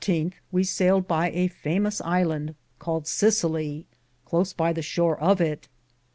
The 14th we sayelled by a famous iland Caled Sissillia,^ cloce by the shore of it.